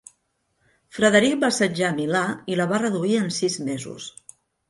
Frederic va assetjar Milà i la va reduir en sis mesos.